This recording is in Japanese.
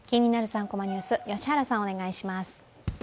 ３コマニュース」、良原さん、お願いします。